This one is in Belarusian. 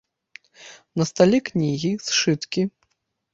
На стале кнігі, сшыткі.